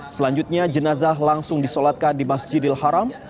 selanjutnya jenazah langsung disolatkan di masjidil haram